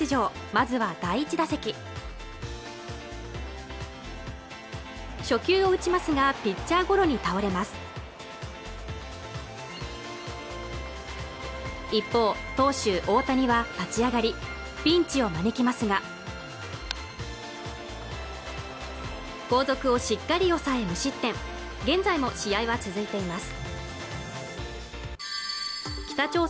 まずは第１打席初球を打ちますがピッチャーゴロに倒れます一方投手・大谷は立ち上がりピンチを招きますが後続をしっかり抑え無失点現在も試合は続いています